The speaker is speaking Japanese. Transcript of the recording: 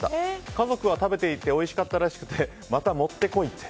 家族は食べていておいしかったらしくてまた持ってこいって。